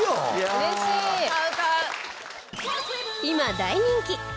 今大人気！